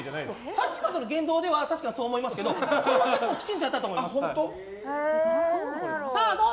さっきまでの言動では確かにそう思いますけどこれは結構きちんとやったと思います。